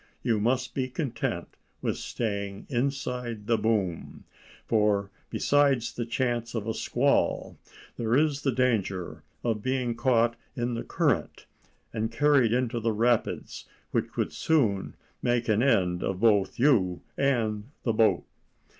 You must be content with staying inside the boom; for, besides the chance of a squall, there is the danger of being caught in the current and carried into the rapids, which would soon make an end of both you and the boat."